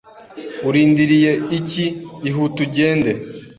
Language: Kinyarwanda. Urindiriye iki? Ihute ugende.